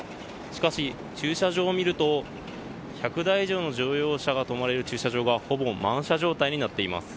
しかし駐車場を見ると１００台以上の乗用車が止まれる駐車場がほぼ満車状態になっています。